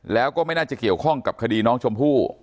แล้วก็ไม่น่าจะเกี่ยวข้องกับคดีน้องชมพู่